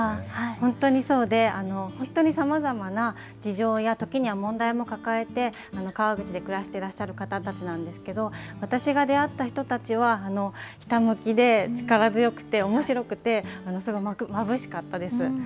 本当にそうで、本当にさまざまな事情や、時には問題も抱えて、川口で暮らしてらっしゃる方たちなんですけれども、私が出会った人たちは、ひたむきで、力強くて、おもしろくて、すごくまぶしかったです。